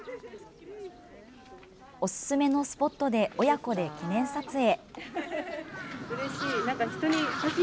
おすすめのスポットで親子で記念撮影。